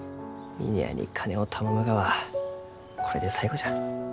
峰屋に金を頼むがはこれで最後じゃ。